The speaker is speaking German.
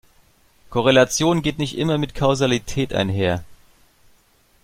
Korrelation geht nicht immer mit Kausalität einher.